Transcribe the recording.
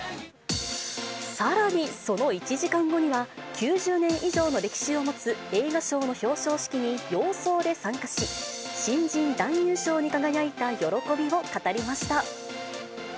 さらにその１時間後には、９０年以上の歴史を持つ映画賞の表彰式に洋装で参加し、新人男優賞に輝いた喜びを語りました。